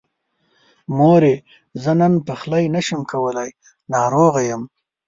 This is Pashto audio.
مورې! زه نن پخلی نشمه کولی، ناروغه يم.